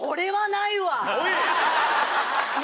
おい！